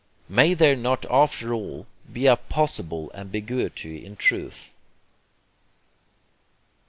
May there not after all be a possible ambiguity in truth?